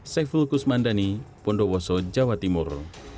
saya fulkus mandani pondok woso jawa timur